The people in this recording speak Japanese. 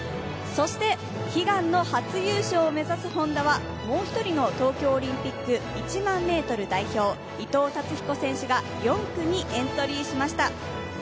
そして悲願の初優勝を目指すＨｏｎｄａはもう１人の東京オリンピック１００００ｍ代表伊藤達彦選手が４区にエントリーしました。